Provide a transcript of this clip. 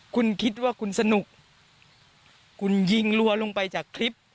คุณคิดว่าคุณสนุกคุณยิงรัวลงไปจากคลิป